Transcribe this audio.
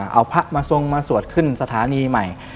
เอาพระมาทรงมาสวดขึ้นสถานีใหม่